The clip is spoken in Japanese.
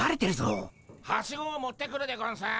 ・はしごを持ってくるでゴンス。